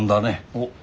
おっ。